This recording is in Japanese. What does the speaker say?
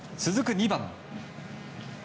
２番。